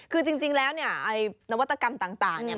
คือจริงแล้วเนี่ยไอ้นวัตกรรมต่างเนี่ย